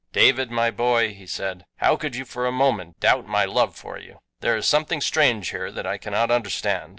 "David, my boy," he said, "how could you for a moment doubt my love for you? There is something strange here that I cannot understand.